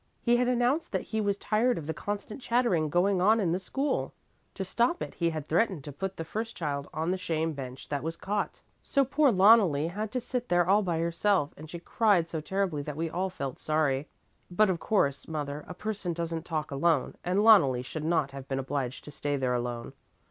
He had announced that he was tired of the constant chattering going on in the school. To stop it he had threatened to put the first child on the shame bench that was caught. So poor Loneli had to sit there all by herself and she cried so terribly that we all felt sorry. But of course, mother, a person doesn't talk alone, and Loneli should not have been obliged to stay there alone.